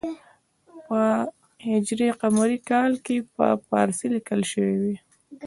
په ه ق کال کې په پارسي لیکل شوی دی.